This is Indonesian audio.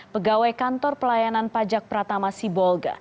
pegawai kantor pelayanan pajak pratama sibolga